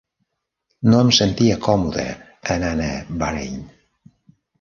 No em sentia còmode anant a Bahrain.